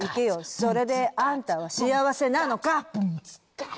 「それであんたは幸せなのか？」